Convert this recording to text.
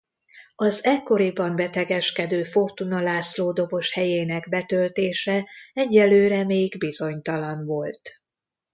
Az ekkoriban betegeskedő Fortuna László dobos helyének betöltése egyelőre még bizonytalan volt.